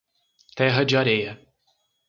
Terra de Areia